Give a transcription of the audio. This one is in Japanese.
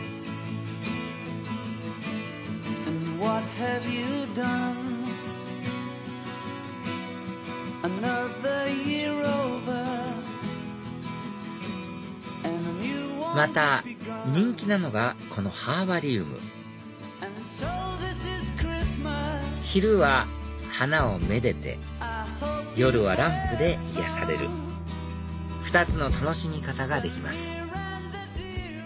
『ＨＡＰＰＹＸＭＡＳ』また人気なのがこのハーバリウム昼は花を愛でて夜はランプで癒やされる２つの楽しみ方ができます